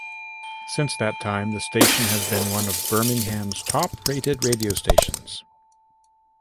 Since that time, the station has been one of Birmingham's top rated radio stations.